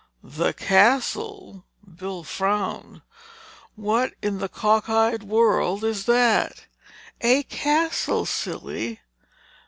"The Castle?" Bill frowned. "What in the cock eyed world is that?" "A castle, silly!"